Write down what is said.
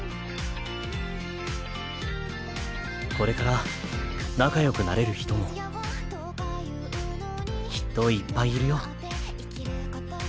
これから仲よくなれる人もきっといっぱいいるよ。